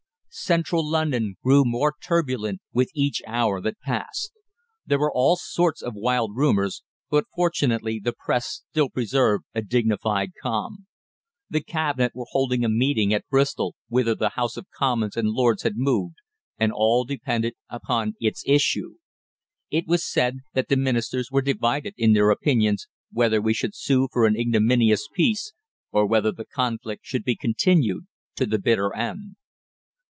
Central London grew more turbulent with each hour that passed. There were all sorts of wild rumours, but, fortunately, the Press still preserved a dignified calm. The Cabinet were holding a meeting at Bristol, whither the Houses of Commons and Lords had moved, and all depended upon its issue. It was said that Ministers were divided in their opinions whether we should sue for an ignominious peace, or whether the conflict should be continued to the bitter end.